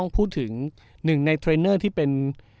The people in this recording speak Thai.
พูดถึงหนึ่งในเทรนเนอร์ที่เป็น